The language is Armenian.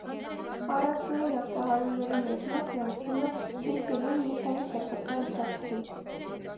Առաջնային ախտահարումների մեծ մասն անցնում է ինքնուրույն մի քանի շաբաթվա ընթացքում։